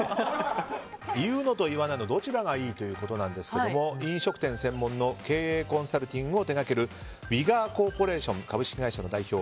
言うのと言わないとどちらがいいかということですが飲食店専門の経営コンサルティングを手掛けるヴィガーコーポレーションの代表